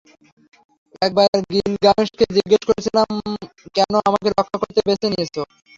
একবার গিলগামেশকে জিগ্যেস করেছিলাম কেন আমাকে রক্ষা করতে বেছে নিয়েছে।